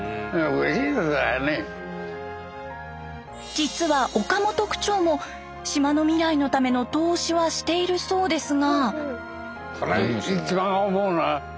実は岡本区長も島の未来のための投資はしているそうですが。